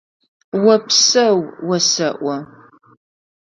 Опсэу осэӏо!